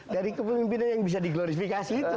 dari kepemimpinan yang bisa diglorifikasi itu